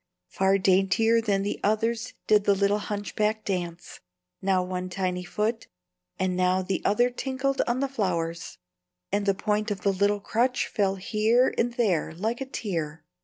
Far daintier than the others did the little hunchback dance; now one tiny foot and now the other tinkled on the flowers, and the point of the little crutch fell here and there like a tear.